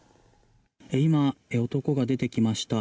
今、男が出てきました。